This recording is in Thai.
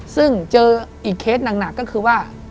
ซึ่งเจออีกเคสหนักก็คือว่า